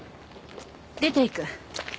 出ていく。